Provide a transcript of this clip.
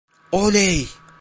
Oley!